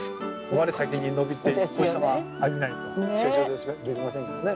我先に伸びてお日様浴びないと成長できませんからね。